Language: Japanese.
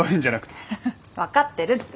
フフ分かってるって。